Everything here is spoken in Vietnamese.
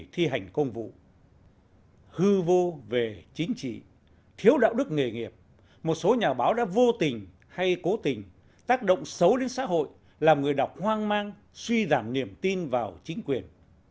khi hành vô về chính trị thiếu đạo đức nghề nghiệp một số nhà báo đã vô tình hay cố tình tác động xấu đến xã hội làm người đọc hoang mang suy giảm niềm tin vào chính quyền